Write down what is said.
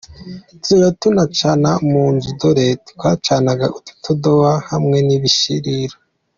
Tuzajya tunacana mu nzu dore twacanaga udutadowa hamwe n’ibishirira.